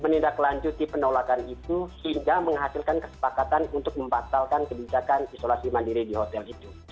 menindaklanjuti penolakan itu hingga menghasilkan kesepakatan untuk membatalkan kebijakan isolasi mandiri di hotel itu